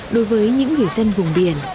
đối với những người dân vùng biển